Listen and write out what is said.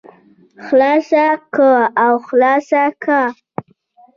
خلاصه که او خلاصه که.